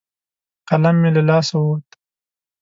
قلم مې له لاسه ووت.